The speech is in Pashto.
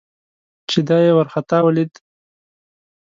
چې دای یې ورخطا ولید.